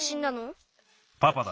パパだ。